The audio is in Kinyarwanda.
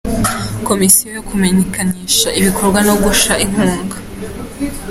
Komisiyo yo kumenyekanisha ibikorwa no gusha inkunga.